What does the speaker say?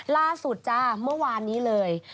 ล่าสุดจ้าเมื่อวานนี้เลย